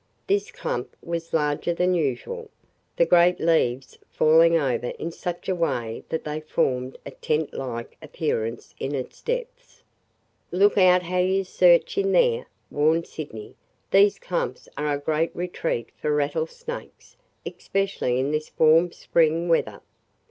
This clump was larger than usual, the great leaves falling over in such a way that they formed a tent like appearance in its depths. "Look out how you search in here," warned Sydney. "These clumps are a great retreat for rattlesnakes, especially in this warm spring weather."